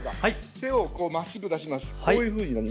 手をまっすぐ出します。